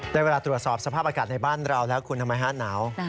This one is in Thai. ได้เวลาตรวจสอบสภาพอากาศในบ้านเราแล้วคุณทำไมฮะหนาว